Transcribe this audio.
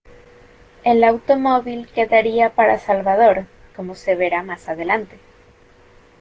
El automóvil quedaría para Salvador, como se verá más adelante.